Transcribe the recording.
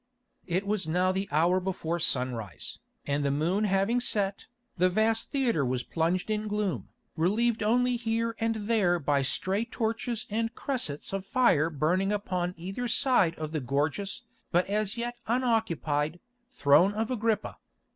It was now the hour before sunrise, and the moon having set, the vast theatre was plunged in gloom, relieved only here and there by stray torches and cressets of fire burning upon either side of the gorgeous, but as yet unoccupied, throne of Agrippa.